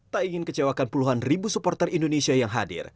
tak ingin kecewakan puluhan ribu supporter indonesia yang hadir